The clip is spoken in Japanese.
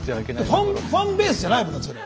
ファンベースじゃないもんだってそれ。